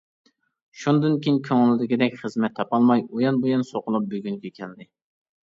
شۇندىن كېيىن كۆڭۈلدىكىدەك خىزمەت تاپالماي ئۇيان-بۇيان سوقۇلۇپ بۈگۈنگە كەلدى.